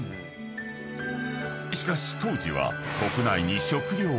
［しかし当時は国内に］